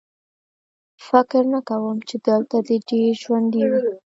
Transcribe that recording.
فکر نه کوم چې دلته دې ډېر ژوندي وو